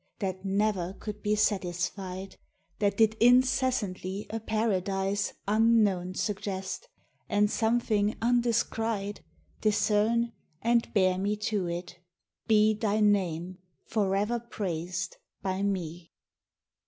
That never could be satisfied, That did incessantly a Paradise Unknown suggest, and something undescried Discern, and bear me to it ; be Thy Name for ever praised by me.